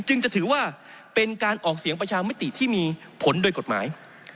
จะถือว่าเป็นการออกเสียงประชามติที่มีผลโดยกฎหมาย